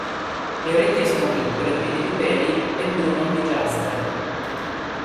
Le orecchie sono piccole, prive di peli e bruno-grigiastre.